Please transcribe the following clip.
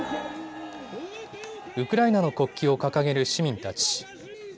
ウクライナの国旗を掲げる市民たち。